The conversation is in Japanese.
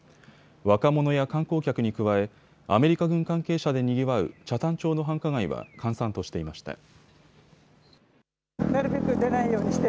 若者や観光客に加えアメリカ軍関係者でにぎわう北谷町の繁華街は閑散としていました。